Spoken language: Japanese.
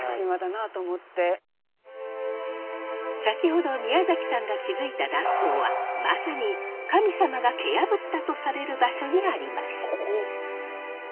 先ほど宮崎さんが気付いた断層はまさに神様が蹴破ったとされる場所にあります。